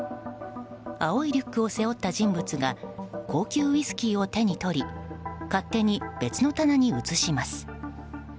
青いリュックを背負った人物が高級ウイスキーを手に取り勝手に別の棚に移します。